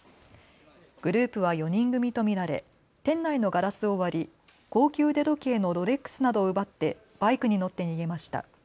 グループは４人組と見られ店内のガラスを割り高級腕時計のロレックスなどを奪ってバイクに乗って逃げました。